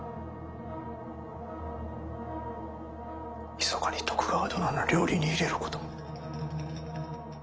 ひそかに徳川殿の料理に入れることも。